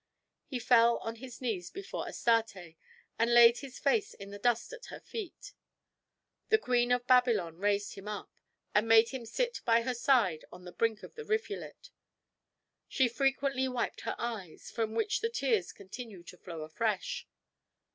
He fell on his knees before Astarte and laid his face in the dust at her feet. The Queen of Babylon raised him up, and made him sit by her side on the brink of the rivulet. She frequently wiped her eyes, from which the tears continued to flow afresh.